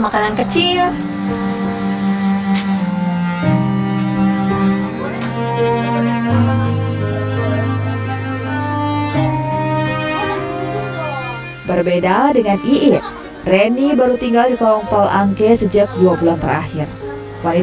makanan kecil makanan kecil kecil